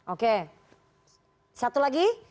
oke satu lagi